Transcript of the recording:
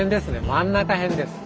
真ん中辺です。